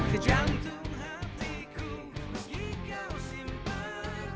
ke jantung hatiku dikau simpan